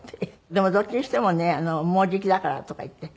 「でもどっちにしてもねもうじきだから」とか言って。